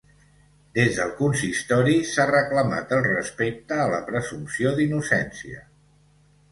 Des del consistori s’ha reclamat el respecte a la presumpció d’innocència.